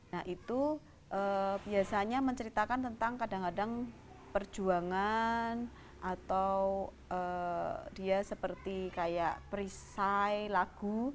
nah itu biasanya menceritakan tentang kadang kadang perjuangan atau dia seperti kayak perisai lagu